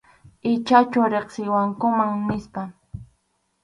Ichachu riqsiwankuman nispa.